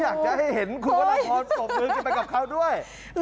อยากจะให้เห็นคุณพนักธรรมพบมือกันมากับเขาด้วย